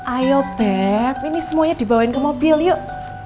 ayo bem ini semuanya dibawain ke mobil yuk